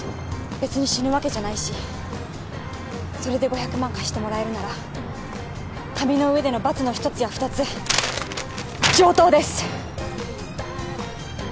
べつに死ぬわけじゃないしそれで５００万貸してもらえるなら紙の上でのバツの一つや二つ上等です！